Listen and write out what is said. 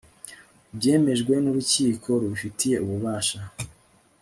byemejwe n'urukiko rubifitiye ububasha